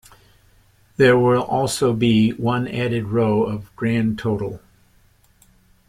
There will also be one added row of "Grand Total".